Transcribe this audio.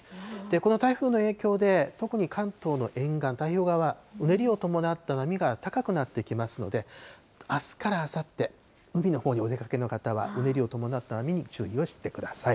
この台風の影響で、特に関東の沿岸、太平洋側は、うねりを伴った波が高くなってきますので、あすからあさって、海のほうにお出かけの方はうねりを伴った波に注意をしてください。